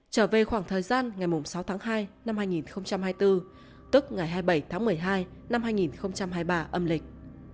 trở về khoảng thời gian ngày sáu tháng hai năm hai nghìn hai mươi bốn tức ngày hai mươi bảy tháng một mươi hai năm hai nghìn hai mươi ba âm lịch